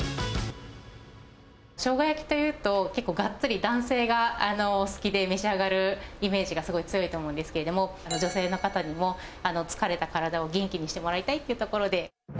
ショウガ焼きというと、結構がっつり、男性が好きで召し上がるイメージがすごい強いと思うんですけれども、女性の方にも、疲れた体を元気にしてもらいたいっていうところで。